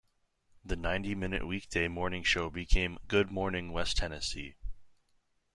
The ninety-minute weekday morning show became "Good Morning West Tennessee".